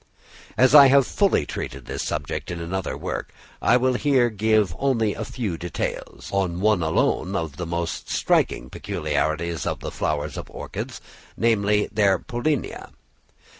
As I have fully treated this subject in another work, I will here give only a few details on one alone of the most striking peculiarities of the flowers of orchids, namely, their pollinia.